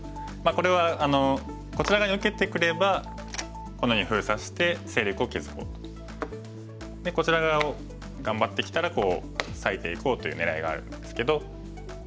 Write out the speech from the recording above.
これはこちら側に受けてくればこのように封鎖して勢力を築こうと。でこちら側を頑張ってきたら裂いていこうという狙いがあるんですけど。